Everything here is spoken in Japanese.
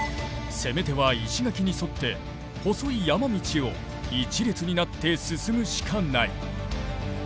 攻め手は石垣に沿って細い山道を一列になって進むしかない。